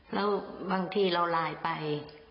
แล้วบางทีเราไลน์ไป